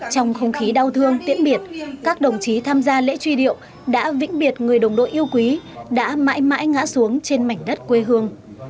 trong không khí đau thương tiễn biệt các đồng chí tham gia lễ truy điệu đã vĩnh biệt người đồng đội yêu quý đã mãi mãi ngã xuống trên mảnh đất quê hương